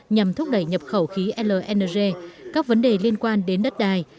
nhằm thúc đẩy nhập khẩu khí lng các vấn đề liên quan đến đất đài